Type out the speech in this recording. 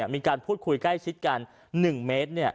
มีการพูดคุยใกล้ชิดกัน๑เมตร